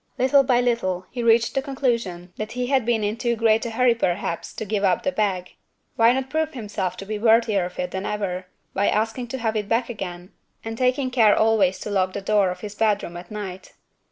Little by little, he reached the conclusion that he had been in too great a hurry perhaps to give up the bag. Why not prove himself to be worthier of it than ever, by asking to have it back again, and taking care always to lock the door of his bedroom at night?